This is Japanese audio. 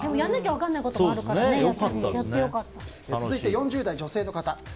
続いて、４０代女性の方。